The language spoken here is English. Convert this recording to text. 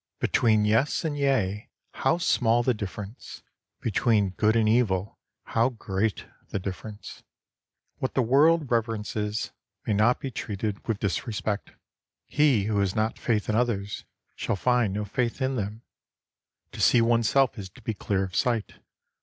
L.T.— 4 47 Between yes and yea, how small the difference ! Between good and evil, how great the difference ! What the world reverences may not be treated with disrespect. He who has not faith in others shall find no faith in them. To see oneself is to be clear of sight.